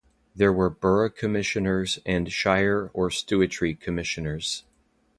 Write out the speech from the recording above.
There were Burgh Commissioners and Shire or Stewartry Commissioners.